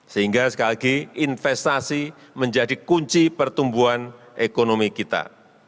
sehingga sekali lagi investasi menjadi kunci pertumbuhan ekonomi kita